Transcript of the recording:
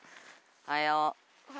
おはよう。